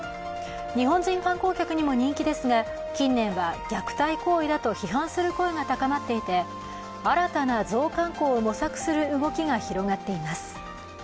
日本人観光客にも人気ですが近年は虐待行為だと批判する声が高まっていて新たなゾウ観光を模索する動きが広がっています。